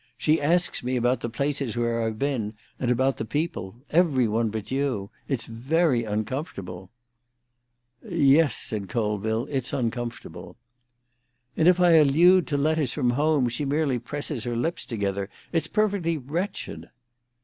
She asks me about the places where I've been, and about the people—every one but you. It's very uncomfortable." "Yes," said Colville, "it's uncomfortable." "And if I allude to letters from home, she merely presses her lips together. It's perfectly wretched."